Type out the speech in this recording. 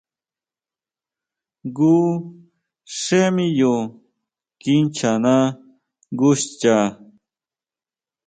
Jngu xé miyo kinchana nguxcha.